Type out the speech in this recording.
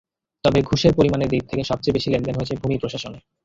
তবে ঘুষের পরিমাণের দিক থেকে সবচেয়ে বেশি লেনদেন হয়েছে ভূমি প্রশাসনে।